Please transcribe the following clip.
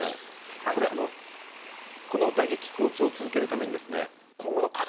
この打撃好調を続けるために今後の課題